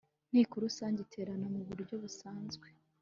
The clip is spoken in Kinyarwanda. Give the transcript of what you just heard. inteko rusange iterana mu buryo busanzwe